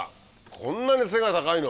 こんなに背が高いの？